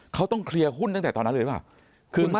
เขาต้องเคลียร์หุ้นตั้งแต่ตอนนั้นเลยหรือเปล่า